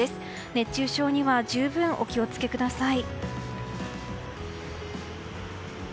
熱中症には十分お気を付けください。